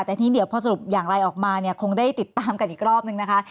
แต่ทีนี้เดี๋ยวพอสรุปอย่างไรออกมาเนี่ยคงได้ติดตามกันอีกรอบนึงนะคะ